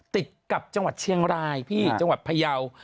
ติดกับจังหวัดเชียงรายพี่จังหวัดพยาว